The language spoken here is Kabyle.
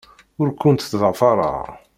Ur kent-ttḍafareɣ.